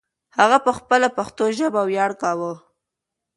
هغه په خپله پښتو ژبه ویاړ کاوه.